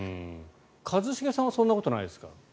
一茂さんはそんなことないですか？